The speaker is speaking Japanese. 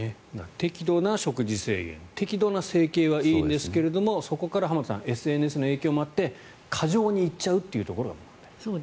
適度な食事制限適度な整形はいいんですけどもそこから浜田さんＳＮＳの影響もあって過剰に行っちゃうというところが問題。